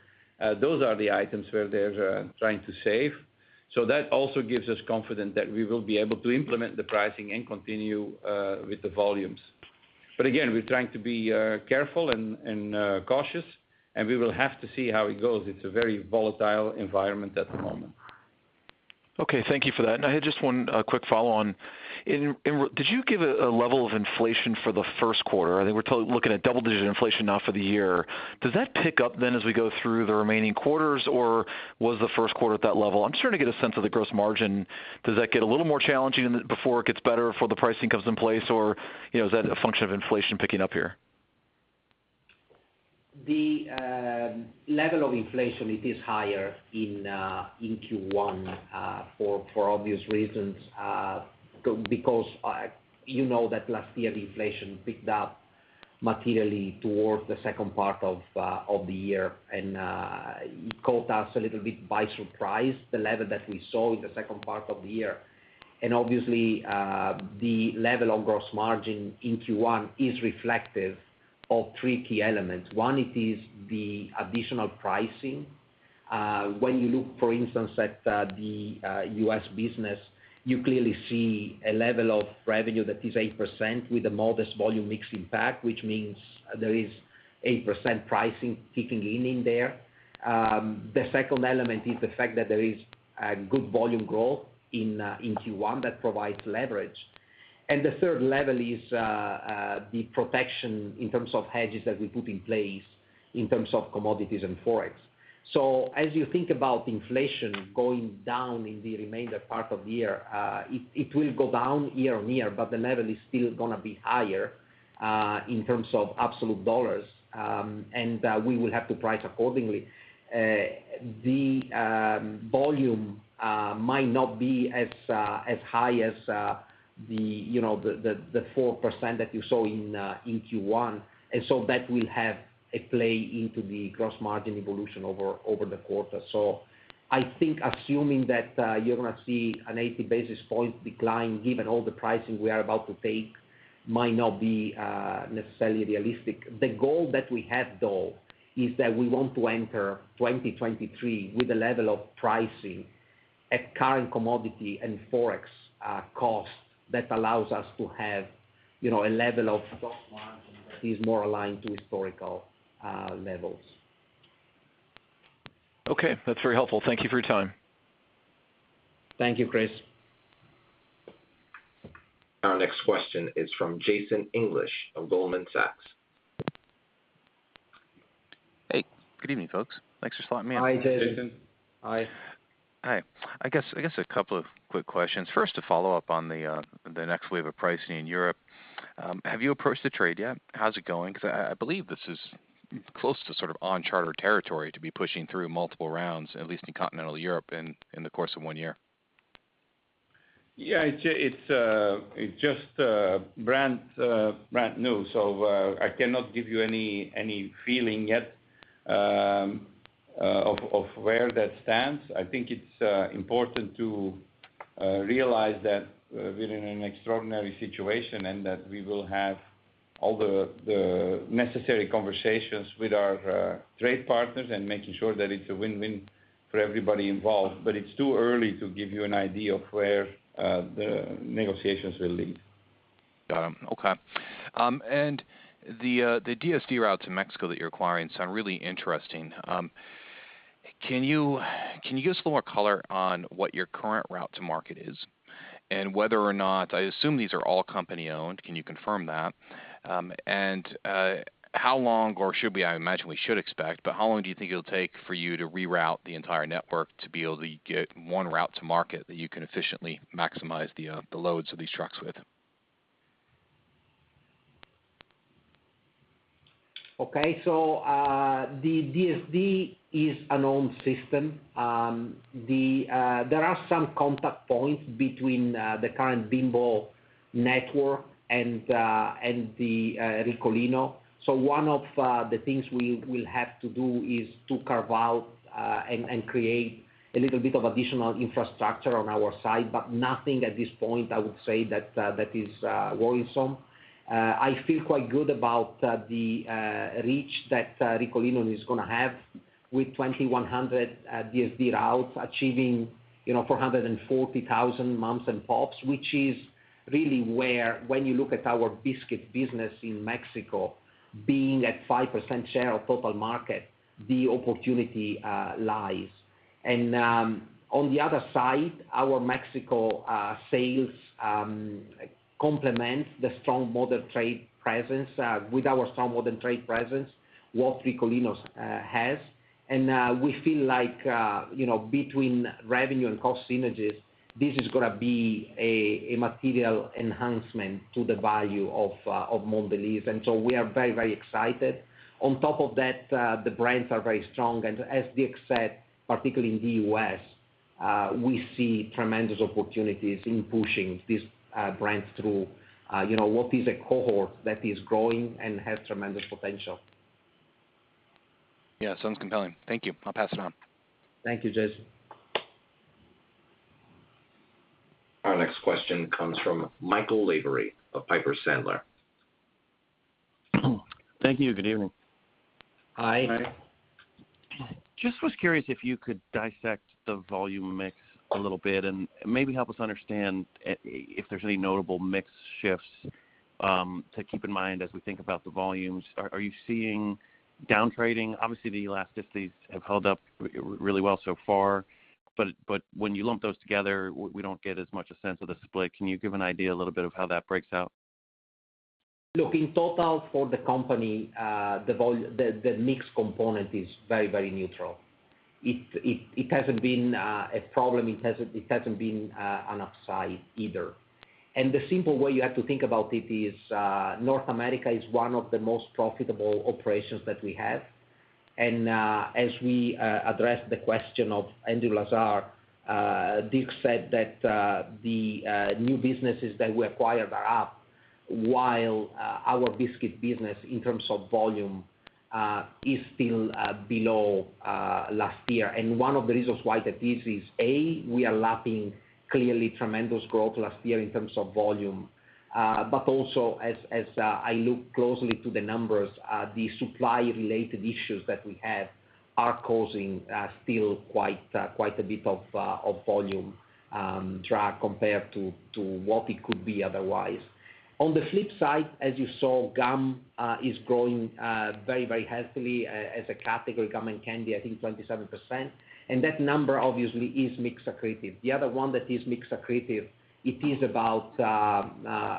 Those are the items where they're trying to save. That also gives us confidence that we will be able to implement the pricing and continue with the volumes. Again, we're trying to be careful and cautious, and we will have to see how it goes. It's a very volatile environment at the moment. Okay, thank you for that. I had just one quick follow-on. Did you give a level of inflation for the first quarter? I think we're looking at double-digit inflation now for the year. Does that pick up then as we go through the remaining quarters, or was the first quarter at that level? I'm just trying to get a sense of the gross margin. Does that get a little more challenging before it gets better, before the pricing comes in place or is that a function of inflation picking up here? The level of inflation, it is higher in Q1 for obvious reasons. Because you know that last year, the inflation picked up materially towards the second part of the year, and it caught us a little bit by surprise, the level that we saw in the second part of the year. Obviously, the level of gross margin in Q1 is reflective of three key elements. One, it is the additional pricing. When you look, for instance, at the U.S. business, you clearly see a level of revenue that is 8% with a modest volume mix impact, which means there is 8% pricing kicking in in there. The second element is the fact that there is a good volume growth in Q1 that provides leverage. The third level is the protection in terms of hedges that we put in place in terms of commodities and ForEx. As you think about inflation going down in the remainder of the year, it will go down year-on-year, but the level is still gonna be higher in terms of absolute dollars, and we will have to price accordingly. The volume might not be as high as you know the 4% that you saw in Q1. That will have a play into the gross margin evolution over the quarter. I think assuming that you're gonna see an 80 basis points decline given all the pricing we are about to take might not be necessarily realistic. The goal that we have though is that we want to enter 2023 with a level of pricing at current commodity and FX costs that allows us to have a level of gross margin that is more aligned to historical levels. Okay, that's very helpful. Thank you for your time. Thank you, Chris. Our next question is from Jason English of Goldman Sachs. Hey, good evening, folks. Thanks for slotting me in. Hi, Jason. Jason. Hi. Hi. I guess a couple of quick questions. First, to follow up on the next wave of pricing in Europe. Have you approached the trade yet? How's it going? 'Cause I believe this is close to sort of uncharted territory to be pushing through multiple rounds, at least in continental Europe in the course of one year. It's just brand new, so I cannot give you any feeling yet of where that stands. I think it's important to realize that we're in an extraordinary situation, and that we will have all the necessary conversations with our trade partners and making sure that it's a win-win for everybody involved. It's too early to give you an idea of where the negotiations will lead. Got it. Okay. The DSD routes in Mexico that you're acquiring sound really interesting. Can you give us a little more color on what your current route to market is? Whether or not I assume these are all company-owned, can you confirm that? How long do you think it'll take for you to reroute the entire network to be able to get one route to market that you can efficiently maximize the loads of these trucks with? Okay, the DSD is an owned system. There are some contact points between the current Bimbo network and the Ricolino. One of the things we will have to do is to carve out and create a little bit of additional infrastructure on our side, but nothing at this point I would say that is worrisome. I feel quite good about the reach that Ricolino is gonna have with 2,100 DSD routes achieving, you know, 440,000 moms and pops, which is really where when you look at our biscuit business in Mexico being at 5% share of total market, the opportunity lies. On the other side, our Mexico sales complements the strong modern trade presence with what Ricolino's has. We feel like, you know, between revenue and cost synergies, this is gonna be a material enhancement to the value of Mondelēz. We are very, very excited. On top of that, the brands are very strong. As Dirk said, particularly in the U.S., we see tremendous opportunities in pushing these brands through what is a cohort that is growing and has tremendous potential. Sounds compelling. Thank you. I'll pass it on. Thank you, Jason. Our next question comes from Michael Lavery of Piper Sandler. Thank you. Good evening. Hi. Just was curious if you could dissect the volume mix a little bit and maybe help us understand if there's any notable mix shifts to keep in mind as we think about the volumes. Are you seeing down trading? Obviously, the elasticities have held up really well so far, but when you lump those together, we don't get as much a sense of the split. Can you give an idea a little bit of how that breaks out? Look, in total for the company, the mix component is very, very neutral. It hasn't been a problem. It hasn't been an upside either. The simple way you have to think about it is, North America is one of the most profitable operations that we have. As we address the question of Andrew Lazar, Dick said that the new businesses that we acquired are up while our biscuit business in terms of volume is still below last year. One of the reasons why that is is A, we are lapping clearly tremendous growth last year in terms of volume. Also as I look closely to the numbers, the supply related issues that we have are causing still quite a bit of volume drag compared to what it could be otherwise. On the flip side, as you saw, gum is growing very healthily as a category, gum and candy, I think 27%. That number obviously is mix accretive. The other one that is mix accretive, it is about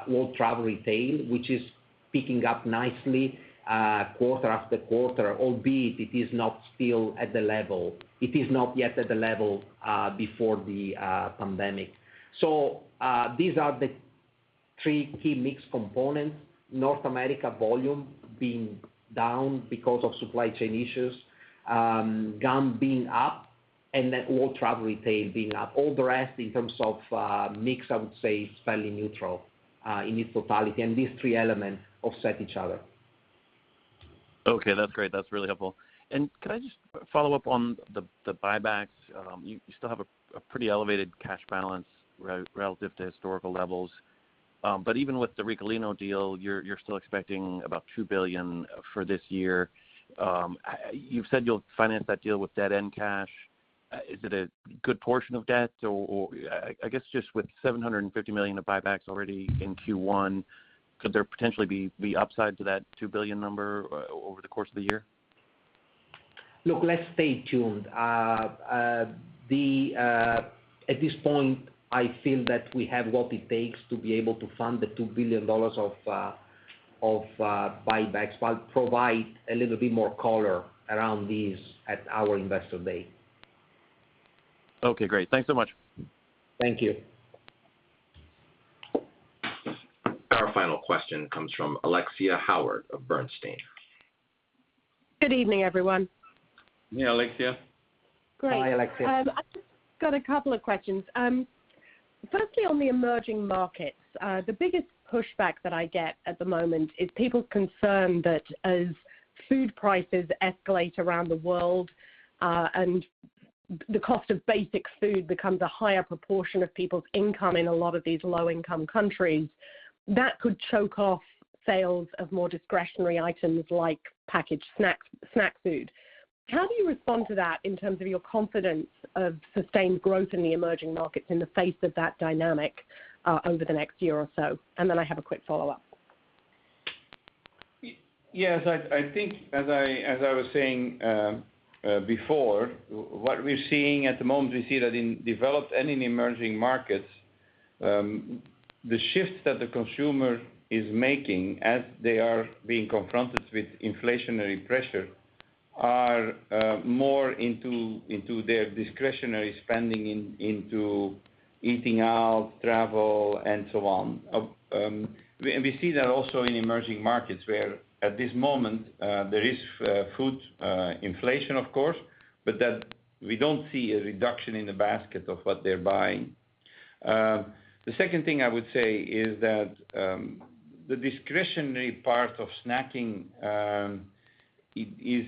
world travel retail, which is picking up nicely quarter after quarter, albeit it is not yet at the level before the pandemic. These are the three key mix components, North America volume being down because of supply chain issues, gum being up and then world travel retail being up. All the rest in terms of mix, I would say, is fairly neutral in its totality, and these three elements offset each other. Okay. That's great. That's really helpful. Could I just follow up on the buybacks? You still have a pretty elevated cash balance relative to historical levels. But even with the Ricolino deal, you're still expecting about $2 billion for this year. You've said you'll finance that deal with debt and cash. Is it a good portion of debt or, I guess, just with $750 million of buybacks already in Q1, could there potentially be upside to that $2 billion number over the course of the year? Look, let's stay tuned. At this point, I feel that we have what it takes to be able to fund the $2 billion of buybacks, but provide a little bit more color around this at our Investor Day. Okay, great. Thanks so much. Thank you. Our final question comes from Alexia Howard of Bernstein. Good evening, everyone. Alexia. Hi, Alexia. Great. I've just got a couple of questions. Firstly, on the emerging markets, the biggest pushback that I get at the moment is people's concern that as food prices escalate around the world, and the cost of basic food becomes a higher proportion of people's income in a lot of these low income countries, that could choke off sales of more discretionary items like packaged snacks, snack food. How do you respond to that in terms of your confidence of sustained growth in the emerging markets in the face of that dynamic, over the next year or so? And then I have a quick follow-up. Yes. I think as I was saying before, what we're seeing at the moment, we see that in developed and in emerging markets, the shifts that the consumer is making as they are being confronted with inflationary pressure are more into their discretionary spending into eating out, travel, and so on. We see that also in emerging markets, where at this moment, there is food inflation, of course, but that we don't see a reduction in the basket of what they're buying. The second thing I would say is that the discretionary part of snacking is, I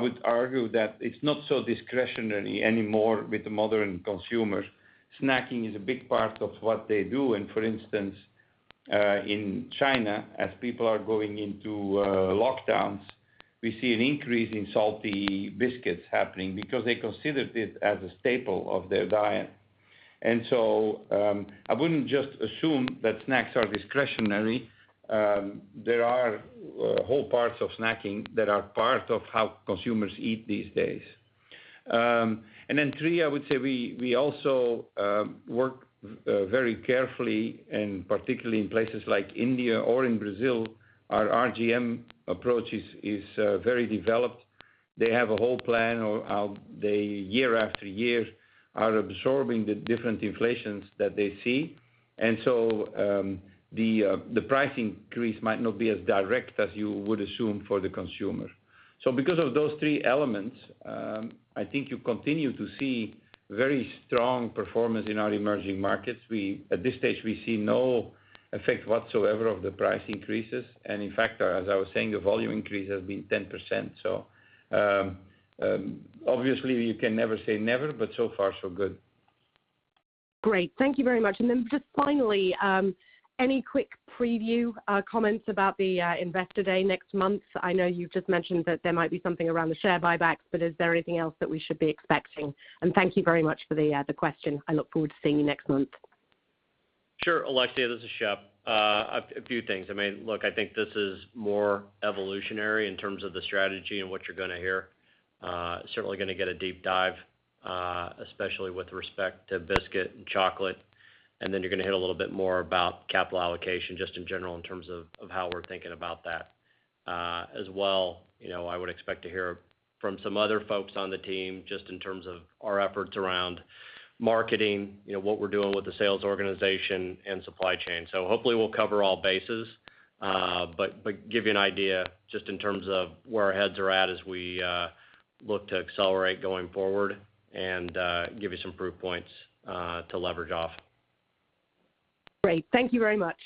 would argue that it's not so discretionary anymore with the modern consumers. Snacking is a big part of what they do. For instance, in China, as people are going into lockdowns, we see an increase in salty biscuits happening because they considered it as a staple of their diet. I wouldn't just assume that snacks are discretionary. There are whole parts of snacking that are part of how consumers eat these days. Three, I would say we also work very carefully, and particularly in places like India or in Brazil, our RGM approach is very developed. They have a whole plan of how they year after year are absorbing the different inflations that they see. The price increase might not be as direct as you would assume for the consumer. Because of those three elements, I think you continue to see very strong performance in our emerging markets. We at this stage see no effect whatsoever of the price increases. In fact, as I was saying, the volume increase has been 10%. Obviously you can never say never, but so far so good. Great. Thank you very much. Just finally, any quick preview, comments about the Investor Day next month? I know you've just mentioned that there might be something around the share buybacks, but is there anything else that we should be expecting? Thank you very much for the question. I look forward to seeing you next month. Sure, Alexia. This is Shep. A few things. Look, I think this is more evolutionary in terms of the strategy and what you're gonna hear. Certainly gonna get a deep dive, especially with respect to biscuit and chocolate, and then you're gonna hear a little bit more about capital allocation just in general in terms of how we're thinking about that. As well, you know, I would expect to hear from some other folks on the team just in terms of our efforts around marketing, you know, what we're doing with the sales organization and supply chain. Hopefully we'll cover all bases, but give you an idea just in terms of where our heads are at as we look to accelerate going forward and give you some proof points to leverage off. Great. Thank you very much.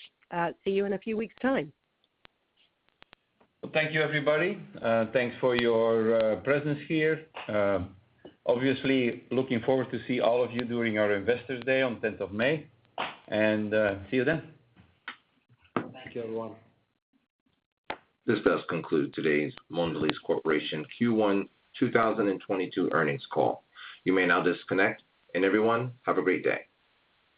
See you in a few weeks' time. Well, thank you, everybody. Thanks for your presence here. Obviously, looking forward to see all of you during our Investors Day on 10th of May. See you then. Thank you, everyone. This does conclude today's Mondelēz International Q1 2022 Earnings Call. You may now disconnect. Everyone, have a great day.